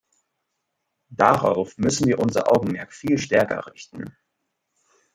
Darauf müssten wir unser Augenmerk viel stärker richten.